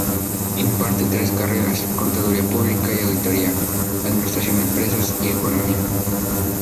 Imparte tres carreras: Contaduría Pública y Auditoría, Administración de Empresas y Economía.